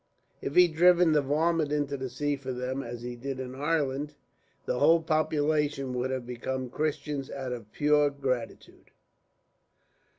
If he'd driven the varmint into the sea for them, as he did in Ireland, the whole population would have become Christians, out of pure gratitude.